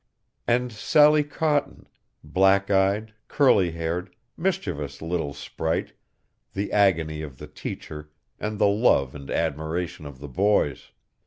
And Sallie Cotton black eyed, curly haired, mischievous little sprite, the agony of the teacher and the love and admiration of the boys!